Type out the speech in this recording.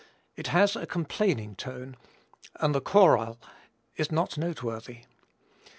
It has a complaining tone, and the choral is not noteworthy.